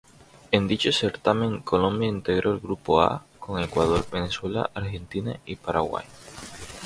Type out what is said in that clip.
En dicho certamen Colombia integró el Grupo A con Ecuador, Venezuela, Argentina y Paraguay.